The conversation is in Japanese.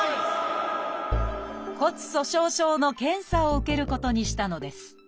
骨粗しょう症の検査を受けることにしたのです。